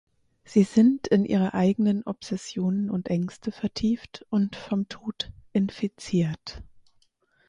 Sie sind in ihre eigenen Obsessionen und Ängste vertieft und vom Tod "infiziert".